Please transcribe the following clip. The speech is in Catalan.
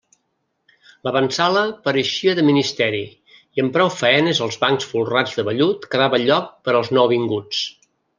L'avantsala pareixia de ministeri, i amb prou faenes als bancs folrats de vellut quedava lloc per als nouvinguts.